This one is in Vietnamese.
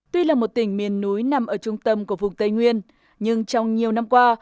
tuy là một tỉnh miền núi nằm ở trung tâm của vùng tây nguyên nhưng trong nhiều năm qua